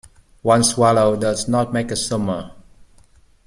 One swallow does not make a summer.